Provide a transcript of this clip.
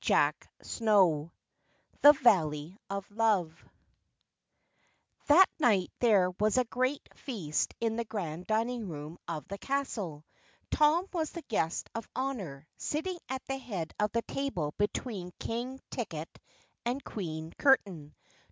CHAPTER 14 The Valley of Love That night there was a great feast in the Grand Dining Room of the castle. Tom was the guest of honor, sitting at the head of the table between King Ticket and Queen Curtain.